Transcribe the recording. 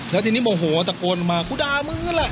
แล้วทีนี้โมโหตะโกนมากูด่ามึงนั่นแหละ